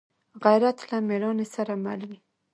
غیرت له مړانې سره مل وي